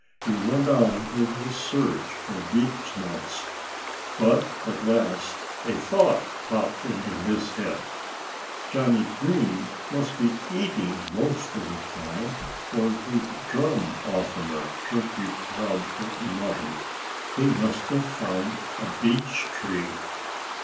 He went on with his search for beechnuts. But at last a thought popped into his head. "Johnnie Green must be eating most of the time, or he'd drum oftener," Turkey Proudfoot muttered. "He must have found a beech tree."